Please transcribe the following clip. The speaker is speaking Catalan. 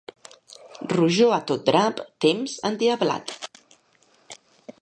Rojor a tot drap, temps endiablat.